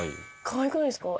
かわいくないですか？